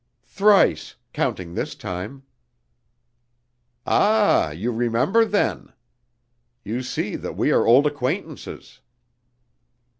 "Thrice, counting this time." "Ah you remember, then? You see that we are old acquaintances!"